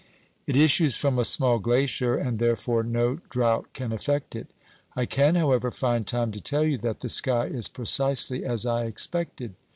It issues from a small glacier, and therefore no drought can affect it. I can, however, find time to tell you that the sky is precisely as I expected.